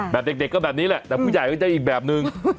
เด็กก็แบบนี้แหละแต่ผู้ใหญ่ก็จะอีกแบบนึง